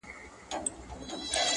هارون جان ته د نوي کال او پسرلي ډالۍ:؛